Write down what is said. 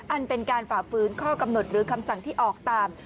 อันเป็นการฝ่าฝืนข้อกำหนดหรือคำสั่งที่ออกตาม